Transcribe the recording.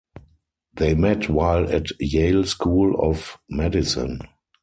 They met while at Yale School of Medicine.